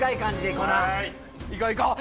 いこういこう！